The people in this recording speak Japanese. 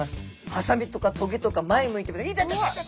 ハサミとかトゲとか前向いていたたたた。